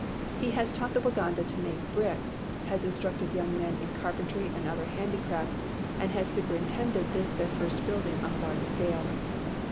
He has taught the Waganda to make bricks, has in structed young men in carpentry and other handicrafts, and has superintended this their first building on a large scale.